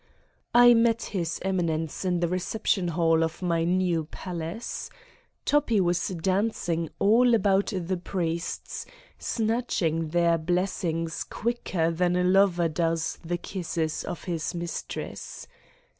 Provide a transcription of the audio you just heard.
I met His Eminence in the reception hall of my new palace. Toppi was dancing all about the priests, snatching their blessings quicker than a lover does the kisses of his mistress.